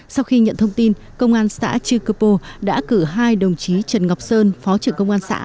sau khi nhận thông tin công an xã chư cơ pô đã cử hai đồng chí trần ngọc sơn phó trưởng công an xã